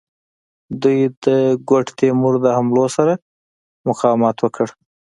دوی د ګوډ تیمور د حملو سره مقاومت وکړ.